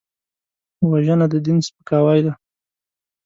وژنه د دین سپکاوی دی